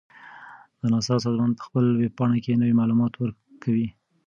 د ناسا سازمان په خپل ویب پاڼه کې نوي معلومات ورکوي.